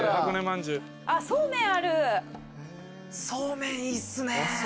そうめんいいっすね。